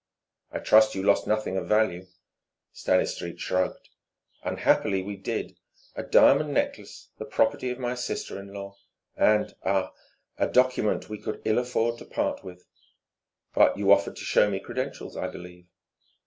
"I trust you lost nothing of value?" Stanistreet shrugged. "Unhappily, we did a diamond necklace, the property of my sister in law, and ah a document we could ill afford to part with.... But you offered to show me credentials, I believe."